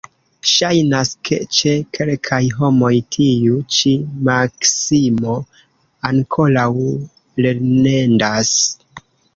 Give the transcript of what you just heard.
Ŝajnas, ke ĉe kelkaj homoj tiu ĉi maksimo ankoraŭ lernendas.